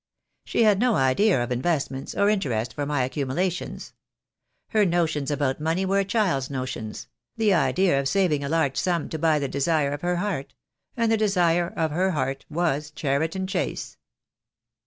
She had no idea of investments, or interest for my accumula tions. Her notions about money were a child's notions — the idea of saving a large sum to buy the desire of her heart; and the desire of her heart wTas Cheriton Chase.